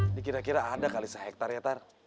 ini kira kira ada kali sehektar ya tar